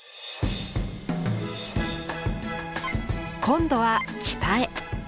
今度は北へ。